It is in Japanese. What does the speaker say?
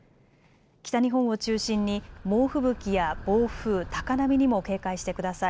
北日本を中心に猛吹雪や暴風、高波にも警戒してください。